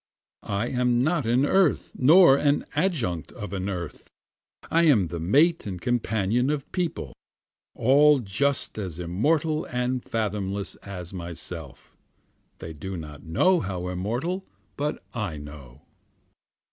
I am not an earth nor an adjunct of an earth, I am the mate and companion of people, all just as immortal and fathomless as myself, (They do not know how immortal, but I know.)